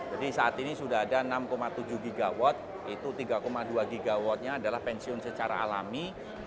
jadi saat ini sudah ada enam tujuh gigawatt itu tiga dua gigawattnya adalah pensiun secara alami